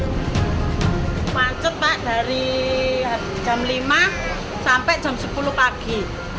kemacetan pak dari jam lima sampai jam sepuluh pagi